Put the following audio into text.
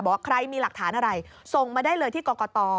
บอกใครมีหลักฐานอะไรส่งมาได้เลยที่กรกต